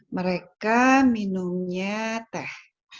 mereka minumnya teh